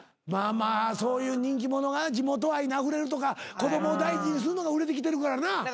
まあまあそういう人気者が地元愛にあふれるとか子供を大事にするのが売れてきてるからな。